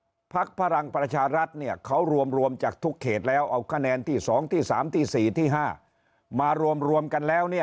คะแนนรวมจากภักดิ์ก็คือว่าภักดิ์พลังประชารัฐเนี่ยเขารวมรวมจากทุกเขตแล้วเอาคะแนนที่สองที่สามที่สี่ที่ห้ามารวมรวมกันแล้วเนี่ย